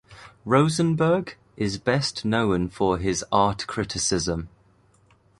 Rosenberg is best known for his art criticism.